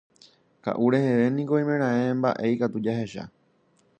Ka'u reheve niko oimeraẽ mba'e ikatu jahecha.